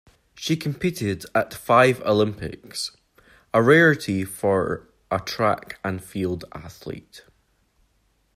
She competed at five Olympics, a rarity for a track and field athlete.